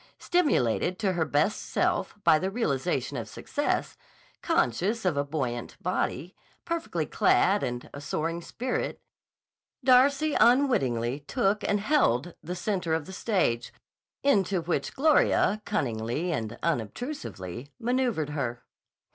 Stimulated to her best self by the realization of success, conscious of a buoyant body, perfectly clad, and a soaring spirit, Darcy unwittingly took and held the center of the stage, into which Gloria cunningly and unobtrusively maneuvered her.